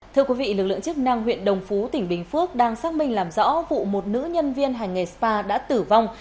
thưa quý vị lực lượng chức năng huyện đồng phú tỉnh bình phước đang xác minh làm rõ vụ một nữ nhân viên hành nghề spa đã tử vong